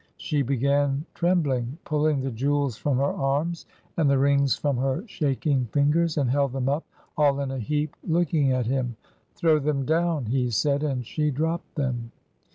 She began, trembUng, pulling the jewels from her arms, and the rings from her shaking fingers, and held them up, all in a heap, looking at him. 'Throw them down,' he said, and she dropped them.